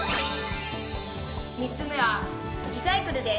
「３つ目はリサイクルです。